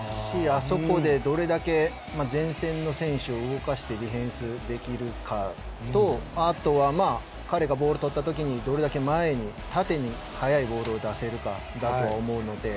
あそこでどれだけ前線の選手を動かしてディフェンスできるかとあとは彼がボールを取った時にどれだけ前に縦に速いボールを出せるかだとは思うので。